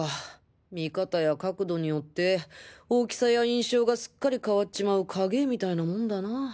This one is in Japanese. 見方や角度によって大きさや印象がすっかり変わっちまう影絵みたいなもんだな。